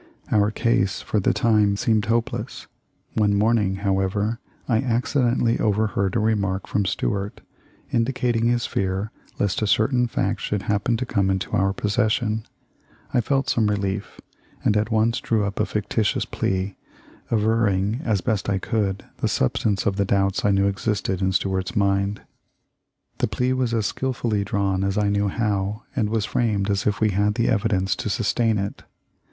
Our case for the time seemed hopeless. One morn ing, however, I accidentally overheard a remark from Stuart indicating his fear lest a certain fact should happen to come into our possession. I felt some relief, and at once drew up a ficititious plea, averring as best I could the substance of the doubts I knew existed in Stuart's mind. The Letter to H. Keeling, Esq., March 3, 1858, MS. THE LIFE OF LINCOLN. 2*27 plea was as skilfully drawn as I knew how, and was framed as if we had the evidence to sustain it.